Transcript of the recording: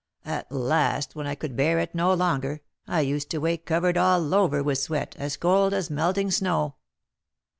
At last, when I could bear it no longer, I used to wake covered all over with sweat, as cold as melting snow."